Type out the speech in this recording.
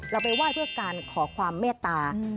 เราไปไหว้ด้วยกันขอความแม่ตา